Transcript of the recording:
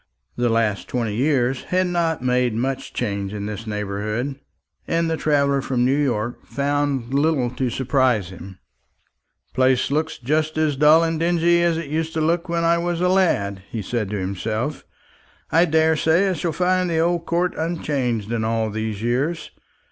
The last twenty years have not made much change in this neighbourhood, and the traveller from New York found little to surprise him. "The place looks just as dull and dingy as it used to look when I was a lad," he said to himself. "I daresay I shall find the old court unchanged in all these years.